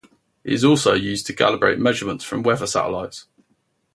It is also used to calibrate measurements from weather satellites.